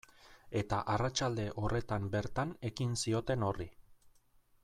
Eta arratsalde horretan bertan ekin zioten horri.